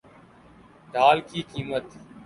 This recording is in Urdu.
ڈھال کی قیمت